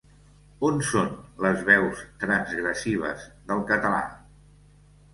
On són les veus transgressives del català?